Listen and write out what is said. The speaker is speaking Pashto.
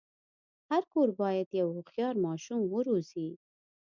هر کور باید یو هوښیار ماشوم وروزي.